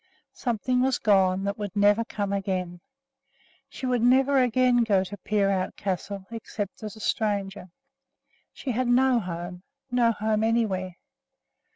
Something was gone that would never come again. She would never again go to Peerout Castle except as a stranger. She had no home no home anywhere.